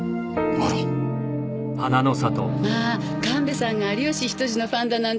まあ神戸さんが有吉比登治のファンだなんて。